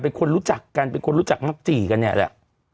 เป็นคนรู้จักกันเป็นคนรู้จักมักจี่กันเนี่ยแหละ